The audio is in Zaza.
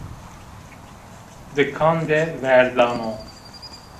Dikan de verdano